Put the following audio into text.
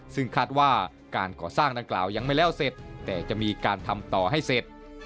ซึ่งคาดว่าการก่อสร้างดังกล่าวยังไม่แล้วเสร็จแต่จะมีการทำต่อให้เสร็จ